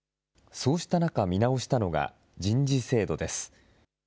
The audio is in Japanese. そうした中、見直したのが、人事制度です。